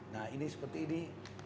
nah ini seperti ini